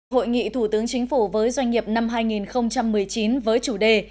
hội nghị thủ tướng chính phủ với doanh nghiệp năm hai nghìn một mươi chín với chủ đề